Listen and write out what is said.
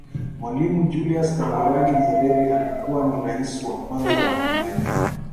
Mwalimu Julius Kambarage Nyerere alikuwa ni Rais wa kwanza wa Tanganyika